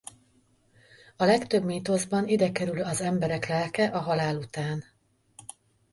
A legtöbb mítoszban ide kerül az emberek lelke a halál után.